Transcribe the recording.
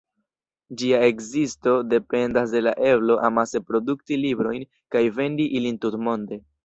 Ĝia ekzisto dependas de la eblo amase produkti librojn kaj vendi ilin tutmonde.